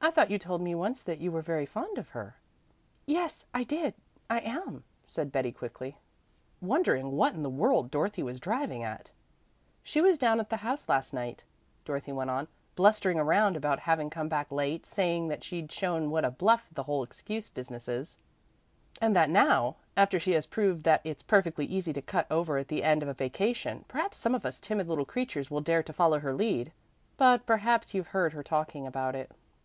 "I thought you told me once that you were very fond of her." "Yes, I did I am," said Betty quickly, wondering what in the world Dorothy was driving at. "She was down at the house last night," Dorothy went on, "blustering around about having come back late, saying that she'd shown what a bluff the whole excuse business is, and that now, after she has proved that it's perfectly easy to cut over at the end of a vacation, perhaps some of us timid little creatures will dare to follow her lead. But perhaps you've heard her talking about it."